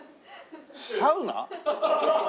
サウナ？